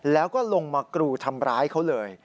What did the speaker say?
แล้วก็ลงมากรูทำร้ายเขาเลย